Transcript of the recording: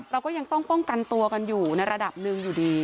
เราก็ยังต้องป้องกันตัวกันอยู่ในระดับหนึ่งอยู่ดี